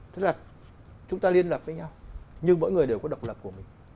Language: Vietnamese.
tức là chúng ta liên lạc với nhau nhưng mỗi người đều có độc lập của mình